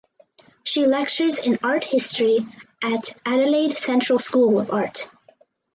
She lectures in art history at Adelaide Central School of Art.